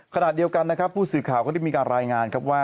ขนาดเดียวกันผู้สื่อข่าวก็ได้มีการรายงาน